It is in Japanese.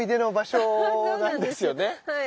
はい。